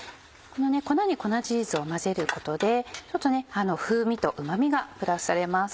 粉に粉チーズを混ぜることでちょっと風味とうま味がプラスされます。